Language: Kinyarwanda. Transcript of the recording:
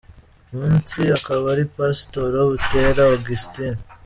munsi akaba ari Pasitoro Butera Augustine.